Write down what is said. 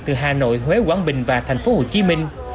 từ hà nội huế quảng bình và thành phố hồ chí minh